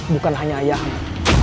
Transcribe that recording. bukan hanya ayahmu